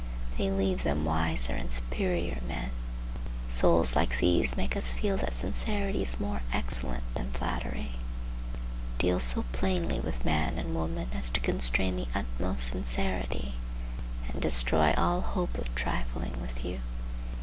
They leave them wiser and superior men. Souls like these make us feel that sincerity is more excellent than flattery. Deal so plainly with man and woman as to constrain the utmost sincerity and destroy all hope of trifling with you.